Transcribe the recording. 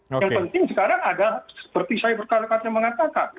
yang penting sekarang ada seperti saya berkata kata mengatakan